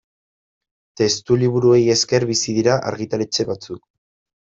Testuliburuei esker bizi dira argitaletxe batzuk.